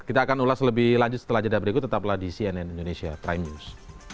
kita akan ulas lebih lanjut setelah jeda berikut tetaplah di cnn indonesia prime news